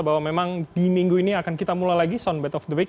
bahwa memang di minggu ini akan kita mulai lagi soundbit of the week